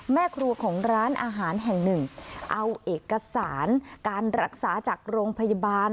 แม่ครัวของร้านอาหารแห่งหนึ่งเอาเอกสารการรักษาจากโรงพยาบาล